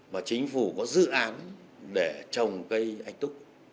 mà chính phủ có dự án để trồng cây ách túc